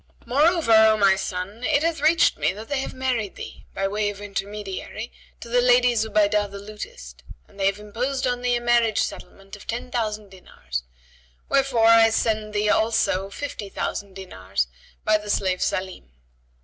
Moreover, O my son, it hath reached me that they have married thee, by way of intermediary, to the lady Zubaydah the lutist and they have imposed on thee a marriage settlement of ten thousand dinars; wherefore I send thee also fifty thousand dinars by the slave Salнm."